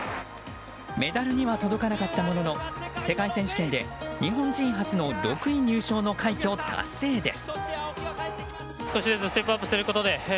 メダルには届かなかったものの世界選手権で、日本人初の６位入賞の快挙達成です。